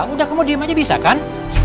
udah kamu diem aja bisa kan